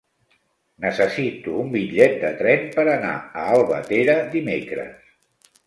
Necessito un bitllet de tren per anar a Albatera dimecres.